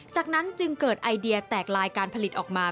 จากนั้นจึงเกิดไอเดียแตกลายการผลิตออกมา